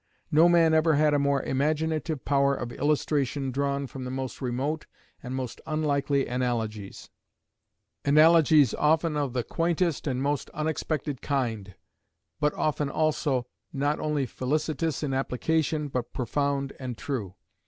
No man ever had a more imaginative power of illustration drawn from the most remote and most unlikely analogies; analogies often of the quaintest and most unexpected kind, but often also not only felicitous in application but profound and true.